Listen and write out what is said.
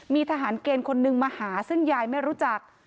มีทหารเกณฑ์คนนึงมาหาซึ่งยายไม่รู้จัก